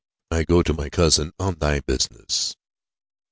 I go to my cousin, on thy business."